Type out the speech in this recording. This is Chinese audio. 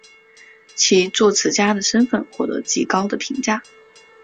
其作词家的身份获得极高的评价。